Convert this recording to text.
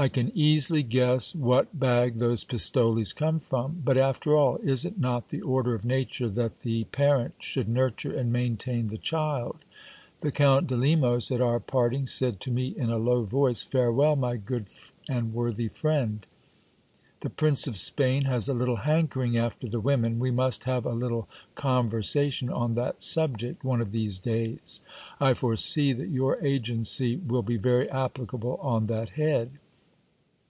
I can easily guess what bag those pistoles come from ; but after all, is it not the order of nature that the parent should nurture and maintain the child ? The Count de Lemos, at our parting, said to me in a low voice — Farewell, my good and worthy friend. The Prince of Spain has a little hankering after the women ; we must have a little conversation on that subject one of these days ; I foresee that your agency will be very applicable on that head.